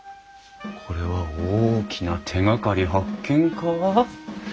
これは大きな手がかり発見か？